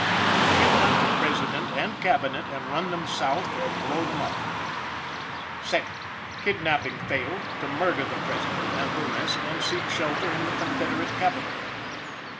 To kidnap the President and Cabinet, and run them South or blow them up. 2d. Kidnapping failed, to murder the President and the rest and seek shelter in the confederate capital.